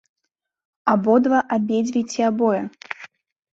Абодва, абедзве ці абое?